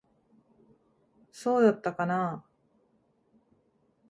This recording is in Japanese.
そうだったかなあ。